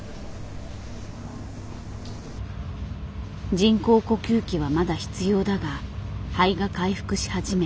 人工呼吸器はまだ必要だが肺が回復し始め